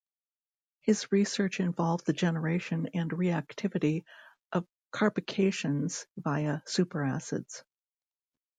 His research involved the generation and reactivity of carbocations via superacids.